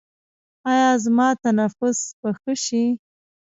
ایا زما تنفس به ښه شي؟